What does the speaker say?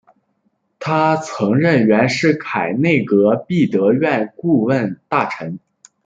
他曾任袁世凯内阁弼德院顾问大臣。